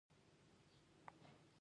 پیرودونکی په مناسب قیمت ټینګار کوي.